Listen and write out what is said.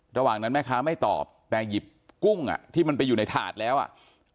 ระหว่างนั้นแม่ค้าไม่ตอบแต่หยิบกุ้งอ่ะที่มันไปอยู่ในถาดแล้วอ่ะ